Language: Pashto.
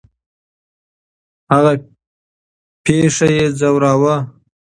هغه پېښه یې ځوراوه.